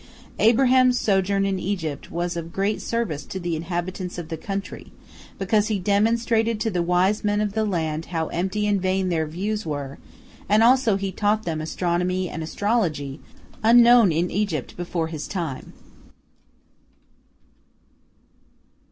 Abraham's sojourn in Egypt was of great service to the inhabitants of the country, because he demonstrated to the wise men of the land how empty and vain their views were, and also he taught them astronomy and astrology, unknown in Egypt before his time.